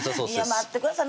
待ってください